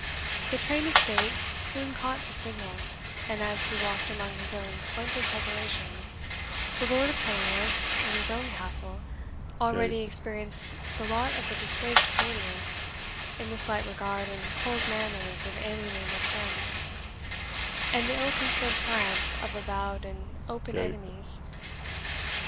The train of state soon caught the signal, and as he walked among his own splendid preparations, the Lord of Kenilworth, in his own Castle, already experienced the lot of a disgraced courtier, in the slight regard and cold manners of alienated friends, and the ill concealed triumph of avowed and open enemies.